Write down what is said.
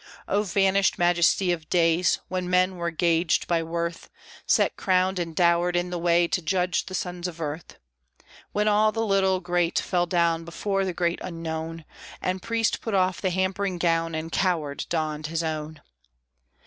O vanished majesty of days, when men were gauged by worth, Set crowned and dowered in the way to judge the sons of earth; When all the little great fell down before the great unknown, And priest put off the hampering gown and coward donned his own!